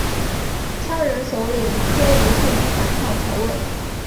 羌人首领柯吾趁机反抗曹魏。